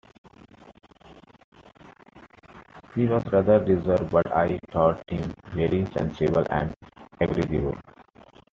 He was rather reserved, but I thought him very sensible and agreeable.